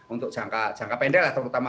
untuk jangka pendek lah terutama